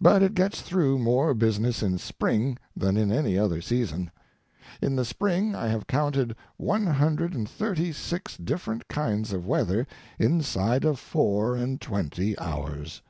But it gets through more business in spring than in any other season. In the spring I have counted one hundred and thirty six different kinds of weather inside of four and twenty hours.